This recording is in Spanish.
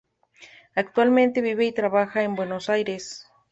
Actualmente vive y trabaja en Buenos Aires.